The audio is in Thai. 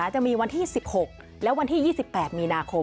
จะมีวันที่๑๖และวันที่๒๘มีนาคม